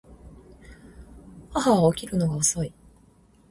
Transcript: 母は起きるのが遅い